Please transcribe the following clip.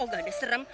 oh gak ada serem